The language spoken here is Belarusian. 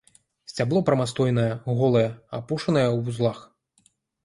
Сцябло прамастойнае, голае, апушанае ў вузлах.